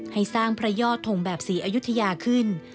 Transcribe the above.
ให้สร้างพระยอดทงแบบศรีอยุธยาขึ้น